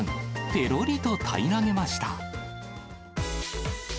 ぺろりと平らげました。